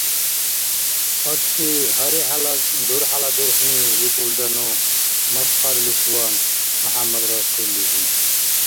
— Ацци, гьари хӀела дурхӀяла дурхӀни?! — викӀулра ну, масхаралисван, МяхӀяммадрасуллизи.